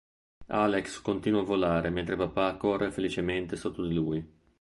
Alex continua a volare mentre papà corre felicemente sotto di lui.